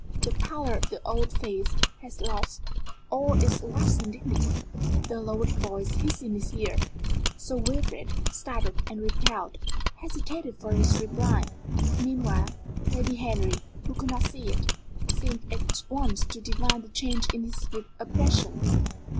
The pallor of the old face had lost all its waxen dignity. The lowered voice hissed in his ear. Sir Wilfrid, startled and repelled, hesitated for his reply. Meanwhile, Lady Henry, who could not see it, seemed at once to divine the change in his expression.